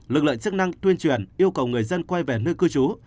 lực lượng chức năng tuyên truyền yêu cầu người dân quay về nơi cư trú